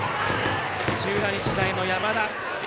土浦日大の山田。